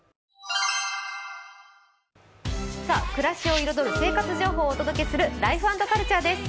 暮らしを彩る生活情報をお届けする「ライフ＆カルチャー」です。